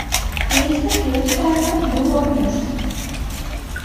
He is a huge fan of Doo-wop music.